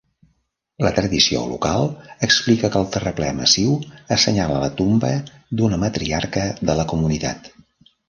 La tradició local explica que el terraplè massiu assenyala la tomba d'una matriarca de la comunitat.